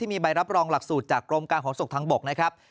มีใบรับรองหลักสูตรจากกรมการขนส่งทางบกนะครับ